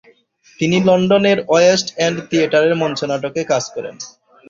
তিনি লন্ডনের West End থিয়েটারের মঞ্চনাটকে কাজ করেন।